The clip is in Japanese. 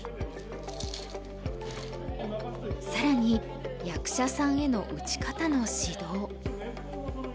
更に役者さんへの打ち方の指導。